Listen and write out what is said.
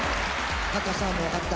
高さはもう分かった。